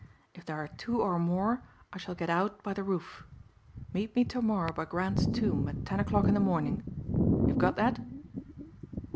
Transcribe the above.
If there are two or more I shall get out by the roof. Meet me to morrow by Grant's Tomb at ten o'clock in the morning. You've got that?"